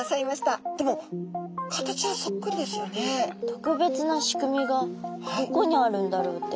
特別な仕組みがどこにあるんだろうって。